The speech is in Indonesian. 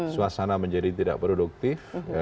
suasana menjadi tidak produktif